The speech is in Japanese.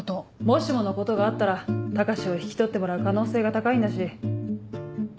もしものことがあったら高志を引き取ってもらう可能性が高いんだし。